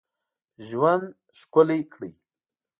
ژوند ښکلی کړی.